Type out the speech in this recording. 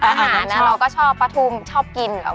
เพราะหมานะเราก็ชอบปะฒูชอบกินไว้